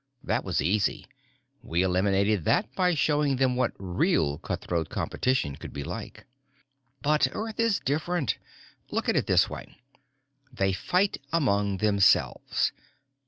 That was easy: we eliminated that by showing them what real cutthroat competition could be like. But Earth is different. Look at it this way. They fight among themselves.